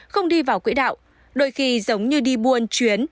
không đi vào quỹ đạo đôi khi giống như đi buôn chuyến